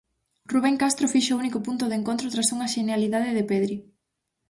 Rubén Castro fixo o único punto do encontro tras unha xenialidade de Pedri.